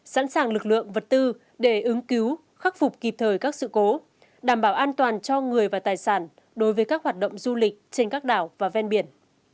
sẵn sàng lực lượng vật tư để ứng cứu khắc phục kịp thời các sự cố đảm bảo an toàn cho người và tài sản đối với các hoạt động du lịch trên các đảo và ven biển